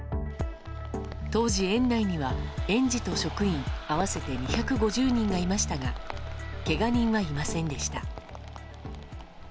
当時、園内には園児と職員合わせて２５０人がいましたがけが人はいませんでした。